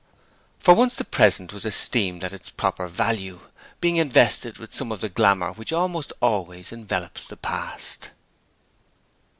For once the present was esteemed at its proper value, being invested with some of the glamour which almost always envelops the past.